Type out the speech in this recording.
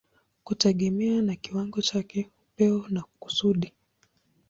kutegemea na kiwango chake, upeo na kusudi.